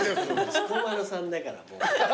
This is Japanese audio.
彦摩呂さんだから。